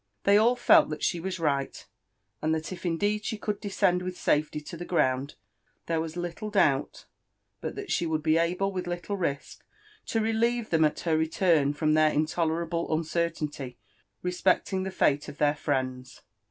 They all felt that she was right, and that if indeed she could descend with safety op the ground, there was little doubt but that she would be able with little risk to relieve them at her return from their intolerable uncertainty respecting the fate of their friends.